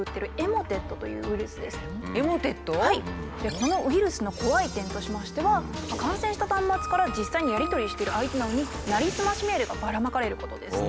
このウイルスの怖い点としましては感染した端末から実際にやり取りしてる相手などになりすましメールがばらまかれることです。